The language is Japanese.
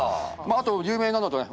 あと有名なのだとね